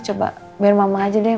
coba biar mama aja deh